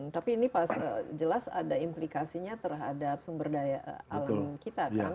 tapi ini jelas ada implikasinya terhadap sumber daya alam kita kan